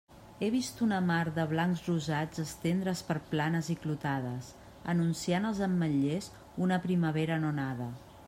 He vist una mar de blancs-rosats estendre's per planes i clotades, anunciant els ametllers una primavera no nada.